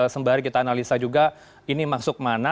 sembari kita analisa juga ini masuk mana